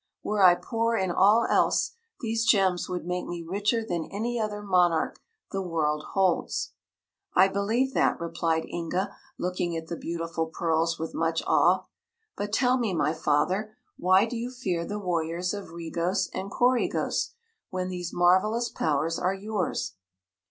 "Were I poor in all else, these gems would make me richer than any other monarch the world holds." "I believe that," replied Inga, looking at the beautiful pearls with much awe. "But tell me, my father, why do you fear the warriors of Regos and Coregos when these marvelous powers are yours?"